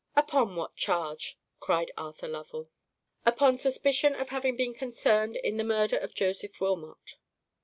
"Upon what charge?" cried Arthur Lovell. "Upon suspicion of having been concerned in the murder of Joseph Wilmot."